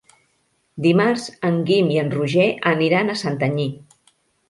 Dimarts en Guim i en Roger aniran a Santanyí.